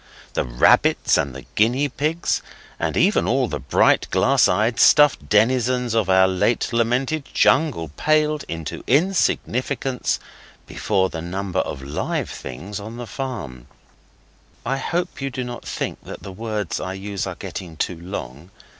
The rabbits and the guinea pigs, and even all the bright, glass eyed, stuffed denizens of our late lamented jungle paled into insignificance before the number of live things on the farm. (I hope you do not think that the words I use are getting too long.